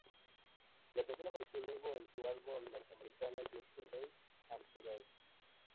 La canción apareció luego en su álbum norteamericano ""Yesterday"... and Today".